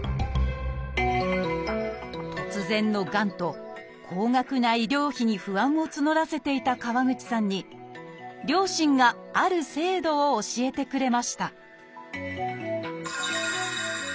突然のがんと高額な医療費に不安を募らせていた川口さんに両親がある制度を教えてくれました